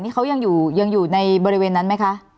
นี่เขายังอยู่ในบริเวณนั้นไหมคะ